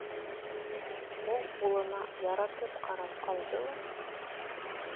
Ул улына яратып ҡарап алды ла: